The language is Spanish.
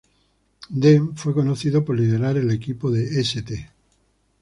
Dean fue conocido por liderar el equipo de St.